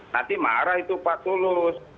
nanti marah itu pak tulus